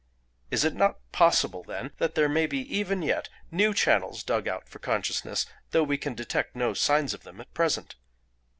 Is it not possible then that there may be even yet new channels dug out for consciousness, though we can detect no signs of them at present?